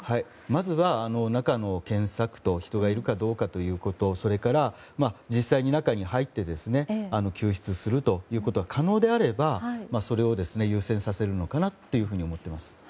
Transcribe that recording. まずは中の検索と人がいるかどうかということをそれから、実際に中に入って救出するということが可能であればそれを優先させるのかなと思っています。